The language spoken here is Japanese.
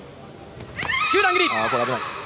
中段蹴り。